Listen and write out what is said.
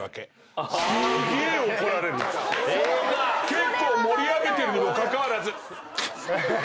結構盛り上げてるにもかかわらず。